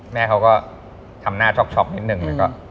แม่เขาก็ทำหน้าช็อกนิดหนึ่ง